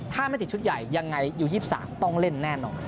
ถ้าไม่ติดชุดใหญ่ยังไงอยู่๒๓ต้องเล่นแน่นอน